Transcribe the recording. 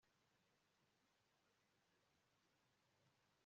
natekereje ko nabikubwiye ejo